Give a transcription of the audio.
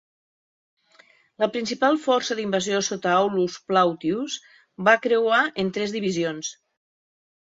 La principal força d'invasió sota Aulus Plautius va creuar en tres divisions.